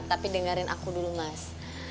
tapi dengerin aku dulu mas